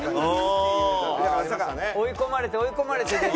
追い込まれて追い込まれて出て。